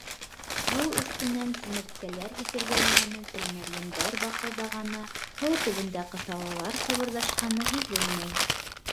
Һыу өҫтөнән сиңерткәләр һикергеләгәне, тәлмәрйендәр баҡылдағаны, һыу төбөндә ҡыҫалалар ҡыбырҙашҡаны һиҙелмәй.